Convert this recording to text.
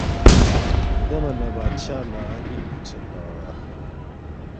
دے من نہ بادشاہ لہ نِ٘ت کُھوکسیدپا